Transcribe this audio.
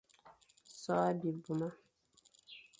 Son bibmuma.